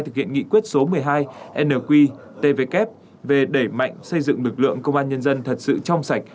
thực hiện nghị quyết số một mươi hai nqtvk về đẩy mạnh xây dựng lực lượng công an nhân dân thật sự trong sạch